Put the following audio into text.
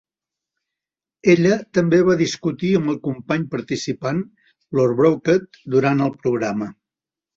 Ella també va discutir amb el company participant Lord Brocket durant el programa.